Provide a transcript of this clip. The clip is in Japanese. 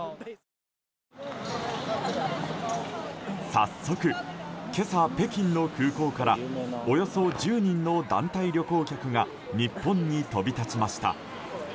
早速、今朝、北京の空港からおよそ１０人の団体旅行客が日本に飛び立ちました。